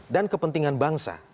dan kepentingan bangsa